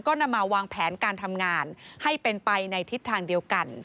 ก็นำมาวางแผนการทำงานให้เป็นไปในทิศทางเดียวกัน